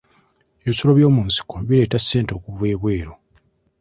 Ebisolo by'omu nsiko bireeta ssente okuva ebweru.